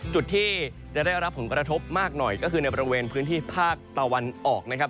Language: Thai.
จุดที่จะได้รับผลกระทบมากหน่อยก็คือในบริเวณพื้นที่ภาคตะวันออกนะครับ